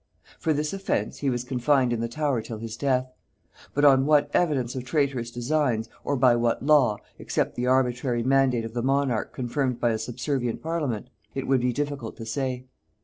For this offence he was confined in the Tower till his death; but on what evidence of traitorous designs, or by what law, except the arbitrary mandate of the monarch confirmed by a subservient parliament, it would be difficult to say.